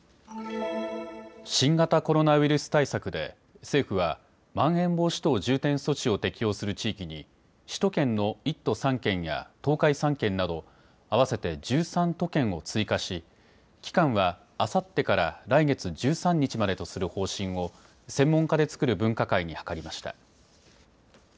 新型コロナウイルス対策で政府はまん延防止等重点措置を適用する地域に首都圏の１都３県や東海３県など合わせて１３都県を追加し期間はあさってから来月１３日までとする方針を専門家で作る分科会に諮りました。